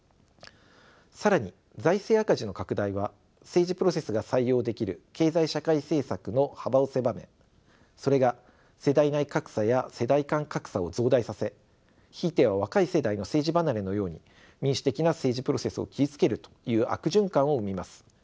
更に財政赤字の拡大は政治プロセスが採用できる経済・社会政策の幅を狭めそれが世代内格差や世代間格差を増大させひいては若い世代の政治離れのように民主的な政治プロセスを傷つけるという悪循環を生みます。